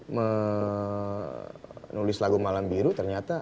menulis lagu malam biru ternyata